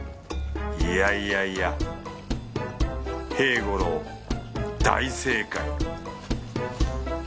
いやいやいや平五郎大正解